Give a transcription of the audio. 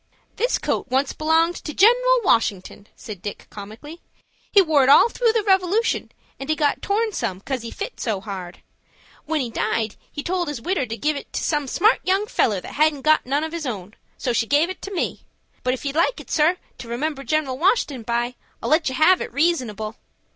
"This coat once belonged to General Washington," said Dick, comically. "He wore it all through the Revolution, and it got torn some, 'cause he fit so hard. When he died he told his widder to give it to some smart young feller that hadn't got none of his own; so she gave it to me. But if you'd like it, sir, to remember General Washington by, I'll let you have it reasonable."